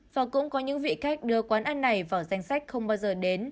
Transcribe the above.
và cũng có những vị khách đưa quán ăn này vào danh sách không bao giờ đến